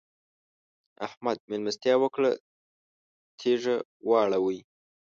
احمد؛ مېلمستيا وکړه - تيږه واړوئ.